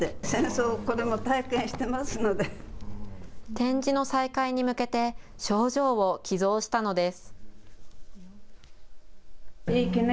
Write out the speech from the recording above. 展示の再開に向けて賞状を寄贈したのです。